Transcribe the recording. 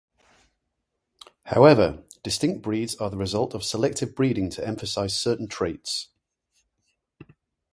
However, distinct breeds are the result of selective breeding to emphasize certain traits.